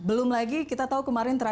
belum lagi kita tahu kemarin